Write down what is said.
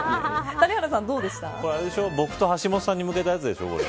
僕と橋下さんに向けたやつでしょこれ。